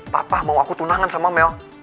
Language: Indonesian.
papa mau aku tunangan sama mel